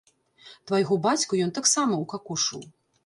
Твайго бацьку ён таксама ўкакошыў.